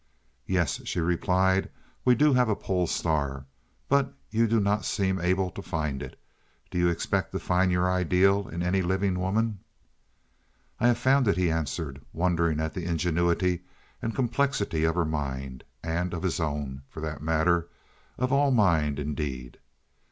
"Yes," she replied, "we do have a pole star, but you do not seem able to find it. Do you expect to find your ideal in any living woman?" "I have found it," he answered, wondering at the ingenuity and complexity of her mind—and of his own, for that matter—of all mind indeed.